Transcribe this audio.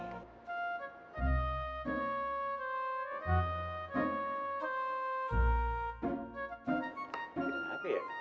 gak ada ya